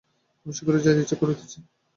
আমি শীঘ্র যাইতে ইচ্ছা করিতেছি।